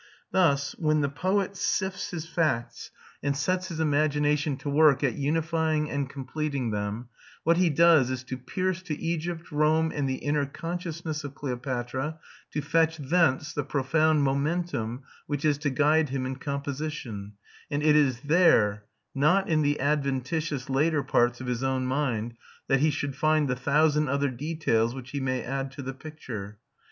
Thus when the poet sifts his facts and sets his imagination to work at unifying and completing them, what he does is to pierce to Egypt, Rome, and the inner consciousness of Cleopatra, to fetch thence the profound momentum which is to guide him in composition; and it is there, not in the adventitious later parts of his own mind, that he should find the thousand other details which he may add to the picture.